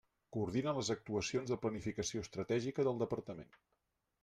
Coordina les actuacions de planificació estratègica del Departament.